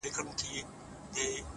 زما غنمرنگه” زما لونگه ځوانې وغوړېده”